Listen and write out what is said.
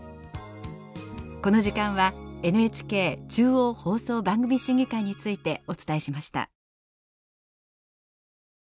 この時間はＮＨＫ中央放送番組審議会についてお伝えしました。